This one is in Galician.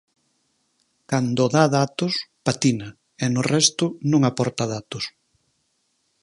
Cando dá datos, patina, e no resto non aporta datos.